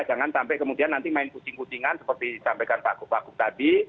jangan sampai kemudian nanti main pusing pusingan seperti disampaikan pak gup pak gub tadi